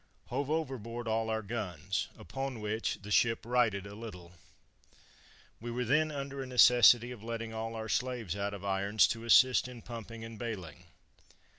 Hove overboard all our guns, upon which the ship righted a little. We were then under a necessity of letting all our slaves out of irons, to assist in pumping and baling.